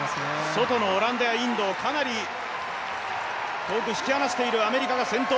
外のオランダやイギリスをかなり引き離しているアメリカが先頭。